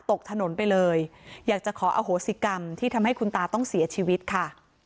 ตกถนนไปเลยอยากจะขออโหสิกรรมที่ทำให้คุณตาต้องเสียชีวิตค่ะ